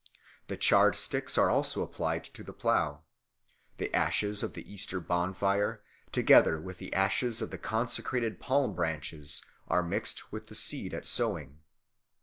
The charred sticks are also applied to the plough. The ashes of the Easter bonfire, together with the ashes of the consecrated palm branches, are mixed with the seed at sowing.